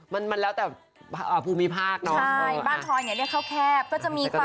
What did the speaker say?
มันแล้วแต่ภูมิภาคเนอะใช่บ้านทอยเนี่ยเรียกข้าวแคบ